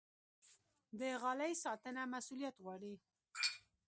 د غالۍ ساتنه مسوولیت غواړي.